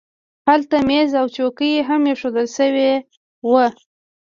هلته مېز او څوکۍ هم اېښودل شوي وو